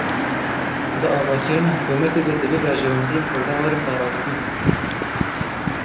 Di avakirina hikûmetê de divê berjewendiyên Kurdan werin parastin.